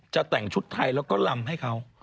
จะแต่งชุดไทยแล้วก็ลำให้เขา